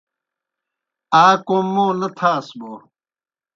آ کوْم موں نہ تھاس بوْ